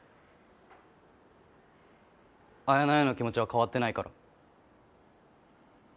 彩菜への気持ちは変わってないから。